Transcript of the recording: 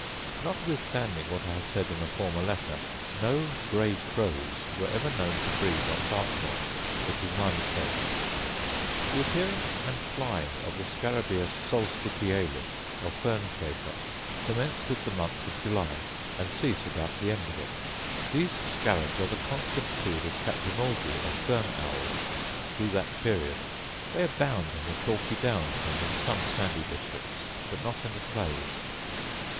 Notwithstanding what I have said in a former letter, no grey crows were ever known to breed on Dartmoor: it was my mistake. The appearance and flying of the scarabaeus solstitialis, or fern chafer, commence with the month of July, and cease about the end of it. These scarabs are the constant food of caprimulgi, or fern owls, through that period. They abound on the chalky downs and in some sandy districts, but not in the clays.